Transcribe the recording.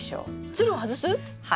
ツルを外す⁉はい。